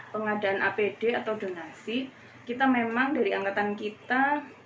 pengadaan apd atau donasi kita memang dari angkatan kita